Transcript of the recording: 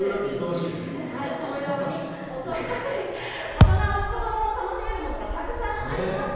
大人も子どもも楽しめるものがたくさんあります。